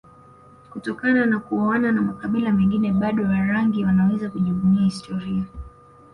kutokana na kuoana na makabila mengine bado Warangi wanaweza kujivunia historia